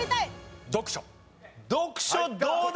読書どうだ？